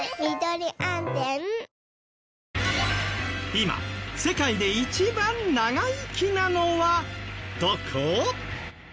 今世界で一番長生きなのはどこ？